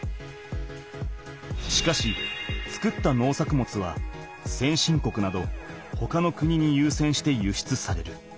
しかし作った農作物は先進国などほかの国にゆうせんして輸出される。